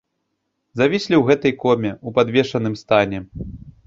Завіслі ў гэтай коме, у падвешаным стане.